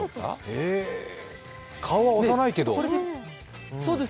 顔は幼いけど。